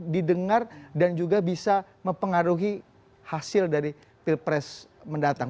didengar dan juga bisa mempengaruhi hasil dari pilpres mendatang